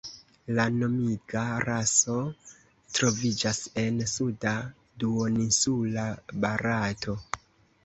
La nomiga raso troviĝas en suda duoninsula Barato.